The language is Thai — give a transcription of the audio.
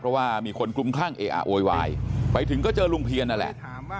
เพราะว่ามีคนกลุ่มคลั่งเออะโวยวายไปถึงก็เจอลุงเพียนนั่นแหละ